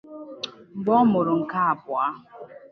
Mgbe ọ mụrụ nke abụọ